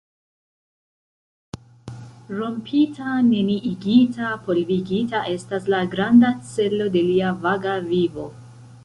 Rompita, neniigita, polvigita estas la granda celo de lia vaga vivo.